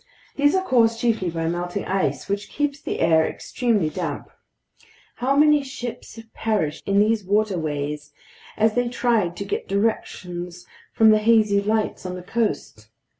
These are caused chiefly by melting ice, which keeps the air extremely damp. How many ships have perished in these waterways as they tried to get directions from the hazy lights on the coast!